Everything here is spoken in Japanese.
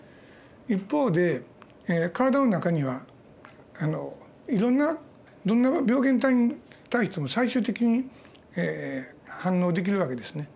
一方で体の中にはいろんなどんな病原体に対しても最終的に反応できる訳ですね。